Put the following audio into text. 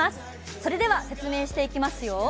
それでは説明していきますよ。